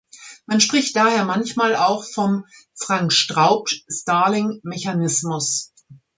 Man spricht daher manchmal auch vom "Frank-Straub-Starling-Mechanismus".